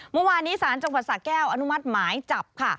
เมื่อวานนี้ศาลจังหวัดสะแก้วอนุมัติหมายจับค่ะ